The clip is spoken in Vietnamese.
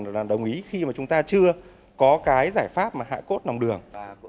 hoàn toàn đồng ý khi mà chúng ta chưa có cái giải pháp mà hạ cốt lòng đường